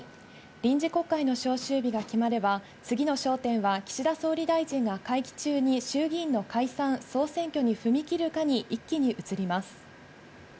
臨時国会の召集日が決まれば、次の焦点は岸田総理大臣が会期中に衆議院の解散・総選挙に踏み切るかに一気に移ります。